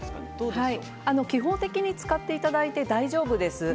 基本的に使っていただいて大丈夫です。